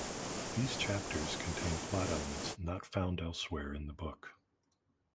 These chapters contain plot elements not found elsewhere in the book.